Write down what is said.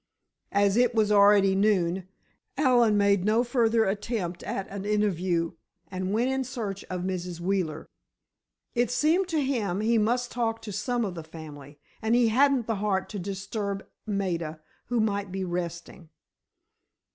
As it was already noon, Allen made no further attempt at an interview and went in search of Mrs. Wheeler. It seemed to him he must talk to some of the family, and he hadn't the heart to disturb Maida, who might be resting.